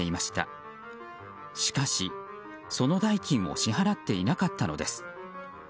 しかし、その代金を支払っていなかったのです。